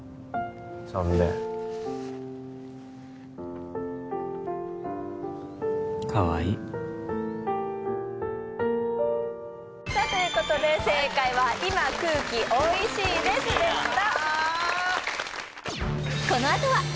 そんでかわいいということで正解は「今空気おいしいです」でした